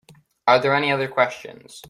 Are there any other questions?